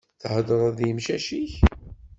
Theddreḍ d imcac-ik?